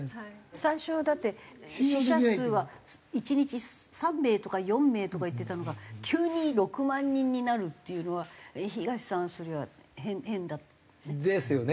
最初はだって死者数は１日３名とか４名とかいってたのが急に６万人になるっていうのは東さんそれは変だ。ですよね。